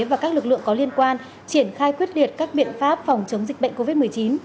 và các lực lượng có liên quan triển khai quyết liệt các biện pháp phòng chống dịch bệnh covid một mươi chín